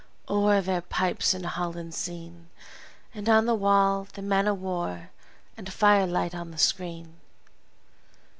o'er their pipes and hollands seen; And on the wall the man o' war, and firelight on the screen!